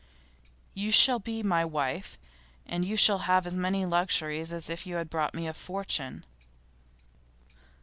You shall be my wife, and you shall have as many luxuries as if you had brought me a fortune.